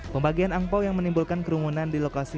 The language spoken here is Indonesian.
pembagian angpao yang menimbulkan kerumunan di lokasi